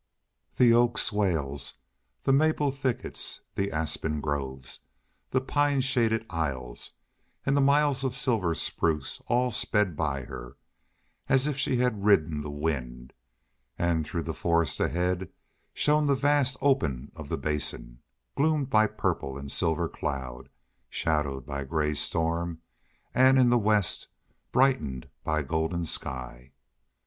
The oak swales, the maple thickets, the aspen groves, the pine shaded aisles, and the miles of silver spruce all sped by her, as if she had ridden the wind; and through the forest ahead shone the vast open of the Basin, gloomed by purple and silver cloud, shadowed by gray storm, and in the west brightened by golden sky.